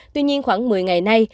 tuy nhiên khoảng một mươi ngày nay